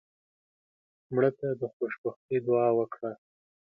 مړه ته د خوشبختۍ دعا وکړه